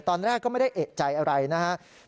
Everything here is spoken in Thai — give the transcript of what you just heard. ตอนแรกก็ไม่ได้เอกใจอะไรนะครับ